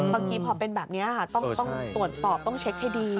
บางทีพอเป็นแบบนี้ค่ะต้องตรวจสอบต้องเช็คให้ดี